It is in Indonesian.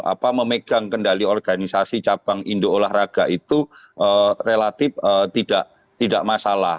itu dalam hal memegang kendali organisasi cabang indo olahraga itu relatif tidak masalah